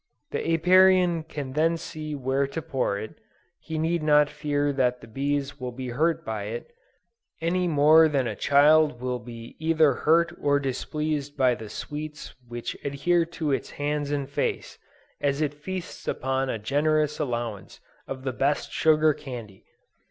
The Apiarian can then see just where to pour it; he need not fear that the bees will be hurt by it; any more than a child will be either hurt or displeased by the sweets which adhere to its hands and face, as it feasts upon a generous allowance of the best sugar candy!